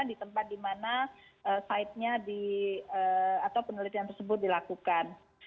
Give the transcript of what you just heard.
di tempat di mana penelitian tersebut dilakukan